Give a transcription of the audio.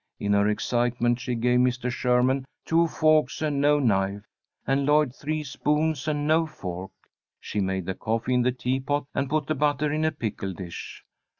In her excitement she gave Mr. Sherman two forks and no knife, and Lloyd three spoons and no fork. She made the coffee in the teapot, and put the butter in a pickle dish.